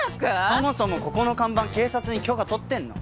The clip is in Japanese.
そもそもここの看板警察に許可とってんの？